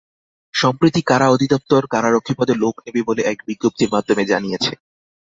সম্প্রতি কারা অধিদপ্তর কারারক্ষী পদে লোক নেবে বলে এক বিজ্ঞপ্তির মাধ্যমে জানিয়েছে।